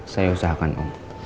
saya usahakan om